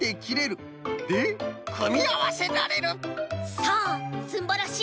さあすんばらしい